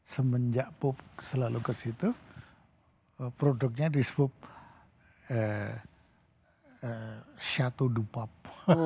semenjak pope selalu ke situ produknya disebut chateau du pape